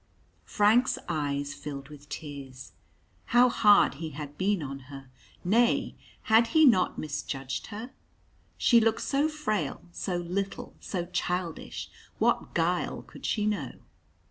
Frank's eyes filled with tears. How hard he had been on her! Nay, had he not misjudged her? She looked so frail, so little, so childish, what guile could she know?